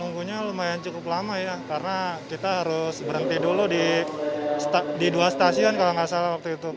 nunggunya lumayan cukup lama ya karena kita harus berhenti dulu di dua stasiun kalau nggak salah waktu itu